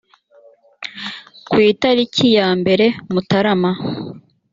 ku itariki ya mbere mutarama